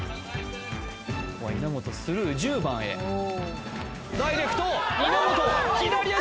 ここは稲本スルー１０番へダイレクト稲本左足